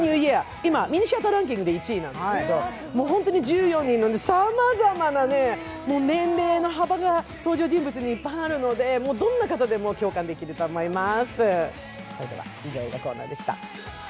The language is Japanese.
今、ミニシアターランキングで１位なんですけど、１４人のさまざまな、年齢の幅が登場人物にいっぱいあるので、どんな方でも共感できると思います。